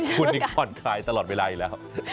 คุณผ่อนคลายตลอดเวลาอีกแล้ว